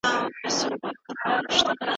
ټولو ته د روغتیا شعار څه مانا لري؟